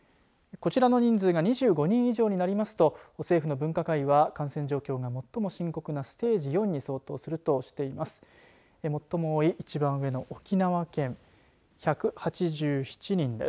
こちらの人数が２５人以上になりますと政府の分科会は感染状況が最も深刻なステージ４に相当するとしています。